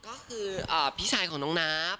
ก็คือพี่ชายของน้องนับ